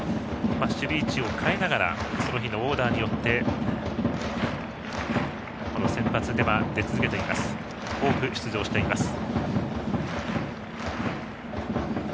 守備位置を変えながらその日のオーダーによって先発で多く出場しています。